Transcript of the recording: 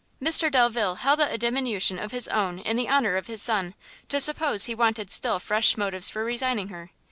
Mr Delvile held it a diminution of his own in the honour of his son, to suppose he wanted still fresh motives for resigning her.